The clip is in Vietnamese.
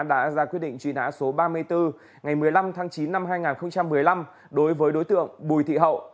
đã ra quyết định truy nã số ba mươi bốn ngày một mươi năm tháng chín năm hai nghìn một mươi năm đối với đối tượng bùi thị hậu